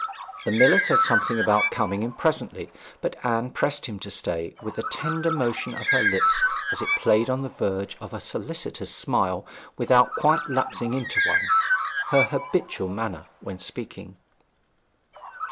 The miller said something about coming in presently; but Anne pressed him to stay, with a tender motion of her lip as it played on the verge of a solicitous smile without quite lapsing into one her habitual manner when speaking.